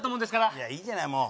いやいいじゃないもう。